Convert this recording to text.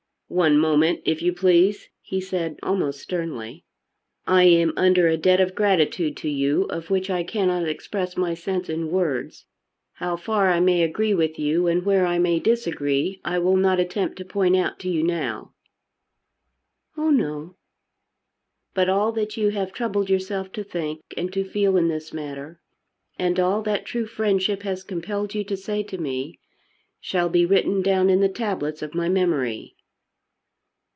"One moment, if you please," he said almost sternly. "I am under a debt of gratitude to you of which I cannot express my sense in words. How far I may agree with you, and where I may disagree, I will not attempt to point out to you now." "Oh no." "But all that you have troubled yourself to think and to feel in this matter, and all that true friendship has compelled you to say to me, shall be written down in the tablets of my memory."